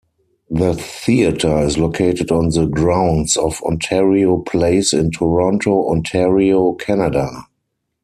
The theatre is located on the grounds of Ontario Place in Toronto, Ontario, Canada.